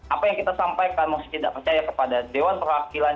apa yang kita sampaikan mosi tidak percaya kepada dewan perwakilan